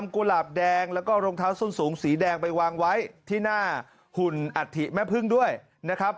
กุหลาบแดงแล้วก็รองเท้าส้นสูงสีแดงไปวางไว้ที่หน้าหุ่นอัฐิแม่พึ่งด้วยนะครับ